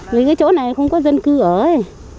nơi đây đủ cái chỗ này không có dân cư ở đây